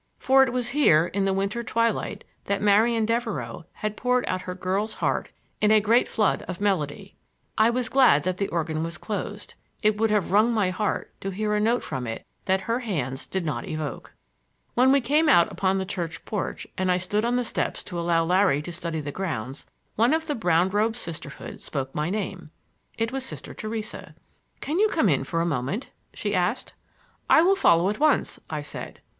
For it was here, in the winter twilight, that Marian Devereux had poured out her girl's heart in a great flood of melody. I was glad that the organ was closed; it would have wrung my heart to hear a note from it that her hands did not evoke. When we came out upon the church porch and I stood on the steps to allow Larry to study the grounds, one of the brown robed Sisterhood spoke my name. It was Sister Theresa. "Can you come in for a moment?" she asked. "I will follow at once," I said.